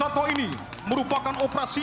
satwa ini merupakan operasi